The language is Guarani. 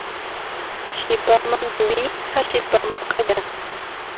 Chipa manduvi ha chipa mbokaja